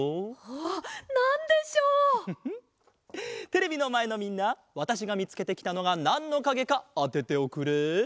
テレビのまえのみんなわたしがみつけてきたのがなんのかげかあてておくれ。